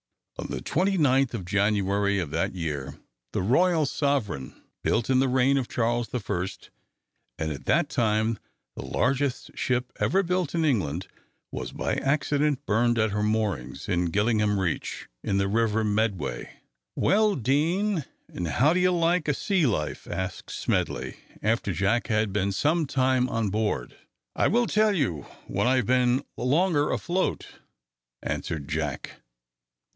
On the 29th of January of that year, the "Royal Sovereign," built in the reign of Charles the First, and at that time the largest ship ever built in England, was by accident burned at her moorings in Gillingham Reach, in the river Medway. "Well, Deane, and how do you like a sea life?" asked Smedley, after Jack had been some time on board. "I will tell you when I've been longer afloat," answered Jack.